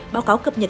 báo cáo cập nhật